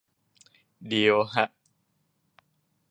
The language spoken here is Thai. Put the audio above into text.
ดีลฮะ